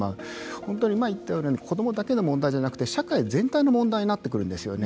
本当に今言ったように子どもだけの問題ではなくて社会全体の問題になってくるんですよね。